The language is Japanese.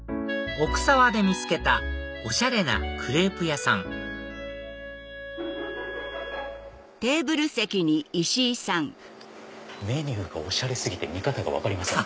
奥沢で見つけたおしゃれなクレープ屋さんメニューがおしゃれ過ぎて見方が分かりません。